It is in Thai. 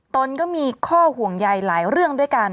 ตนก็มีข้อห่วงใยหลายเรื่องด้วยกัน